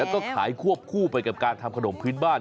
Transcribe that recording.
แล้วก็ขายควบคู่ไปกับการทำขนมพื้นบ้าน